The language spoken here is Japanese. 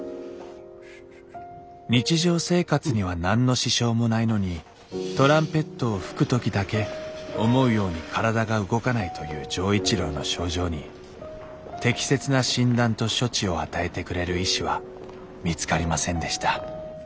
日常生活には何の支障もないのにトランペットを吹く時だけ思うように体が動かないという錠一郎の症状に適切な診断と処置を与えてくれる医師は見つかりませんでした